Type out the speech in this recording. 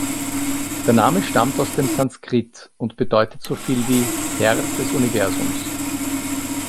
Der Name stammt aus dem Sanskrit und bedeutet so viel wie „Herr des Universums“.